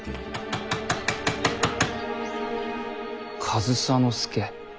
上総介。